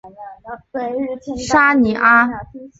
沙尼阿。